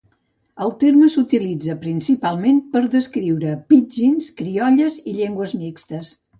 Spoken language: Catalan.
El terme s'utilitza principalment per a descriure pidgins, criolles i llengües mixtes.